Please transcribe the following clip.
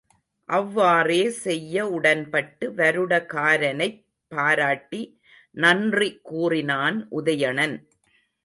அவ்வாறே செய்ய உடன்பட்டு வருடகாரனைப் பாராட்டி நன்றி கூறினான் உதயணன்.